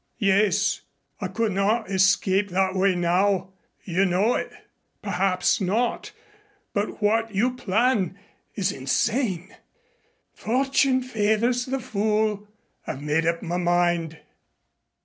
"Yes. I could not escape that way now. You know it." "Perhaps not, but what you plan is insane." "Fortune favors the fool. I've made up my mind."